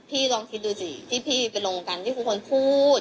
ลองคิดดูสิที่พี่ไปลงกันที่ครูคนพูด